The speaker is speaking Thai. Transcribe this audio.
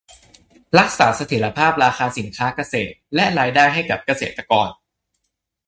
รักษาเสถียรภาพราคาสินค้าเกษตรและรายได้ให้กับเกษตรกร